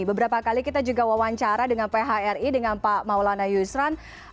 beberapa kali kita juga wawancara dengan phri dengan pak maulana yusran